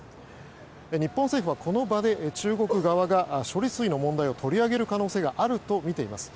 日本はこの場で中国側が処理水の問題を取り上げる可能性があるとみています。